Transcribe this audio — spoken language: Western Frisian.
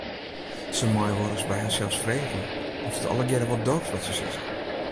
Se meie wolris by harsels freegje oft it allegearre wol doocht wat se sizze.